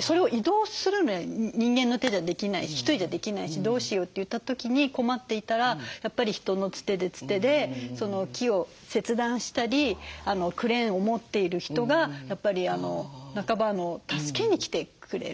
それを移動するのは人間の手じゃできないし一人じゃできないしどうしようといった時に困っていたらやっぱり人のつてでつてでその木を切断したりクレーンを持っている人がやっぱりなかば助けに来てくれる。